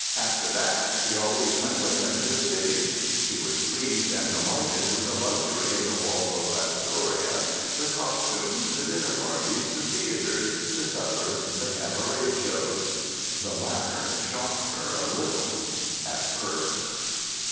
After that, she always went with him to the city. She was pleased and delighted with the luxury of the Waldorf Astoria, the costumes, the dinner parties, the theaters, the suppers, the cabaret shows. The latter shocked her a little at first.